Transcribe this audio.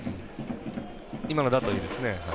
今のだといいですね。